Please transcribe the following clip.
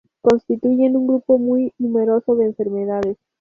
Constituyen un grupo muy numeroso de enfermedades.